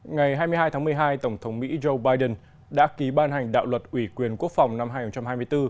ngày hai mươi hai tháng một mươi hai tổng thống mỹ joe biden đã ký ban hành đạo luật ủy quyền quốc phòng năm hai nghìn hai mươi bốn